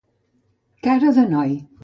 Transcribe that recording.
Cara de noi.